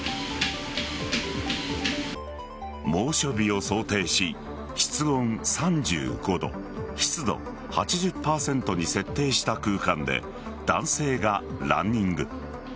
猛暑日を想定し、室温３５度湿度８０％に設定した空間で男性がランニング。